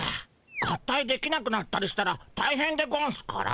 合体できなくなったりしたらたいへんでゴンスから。